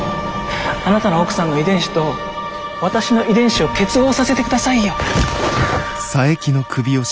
あなたの奥さんの遺伝子と私の遺伝子を結合させてくださいよ。